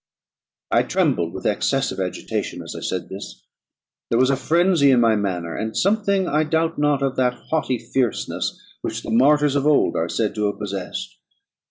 I trembled with excess of agitation as I said this; there was a frenzy in my manner, and something, I doubt not, of that haughty fierceness which the martyrs of old are said to have possessed.